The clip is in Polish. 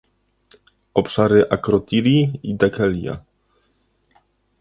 obszary Akrotiri i Dhekelia